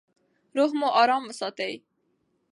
روح مو ارام وساتئ.